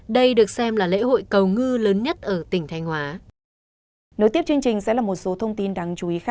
đây được xem là lễ hội cầu ngư lớn nhất ở tỉnh